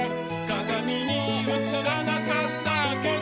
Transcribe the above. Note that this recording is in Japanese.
「かがみにうつらなかったけど」